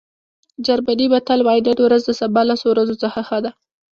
جرمني متل وایي نن ورځ د سبا لسو ورځو څخه ښه ده.